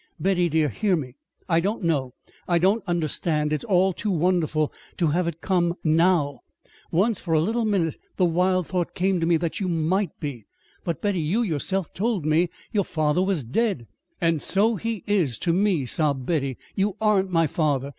"Betty, dear, hear me! I don't know I don't understand. It's all too wonderful to have it come now. Once, for a little minute, the wild thought came to me that you might be. But, Betty, you yourself told me your father was dead!" "And so he is to me," sobbed Betty. "You aren't my father.